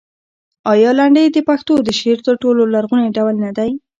آیا لنډۍ د پښتو د شعر تر ټولو لرغونی ډول نه دی؟